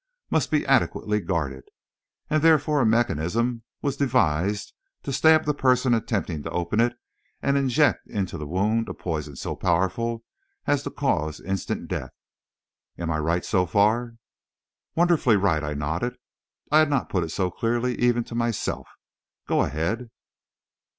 must be adequately guarded, and therefore a mechanism was devised to stab the person attempting to open it and to inject into the wound a poison so powerful as to cause instant death. Am I right so far?" "Wonderfully right," I nodded. "I had not put it so clearly, even to myself. Go ahead."